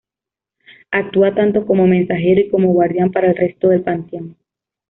Actúa tanto como mensajero y como guardián para el resto del panteón.